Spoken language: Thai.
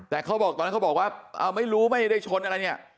แต่เขาบอกตอนนั้นเขาบอกว่าไม่รู้ไม่ได้ชนอะไรเนี่ย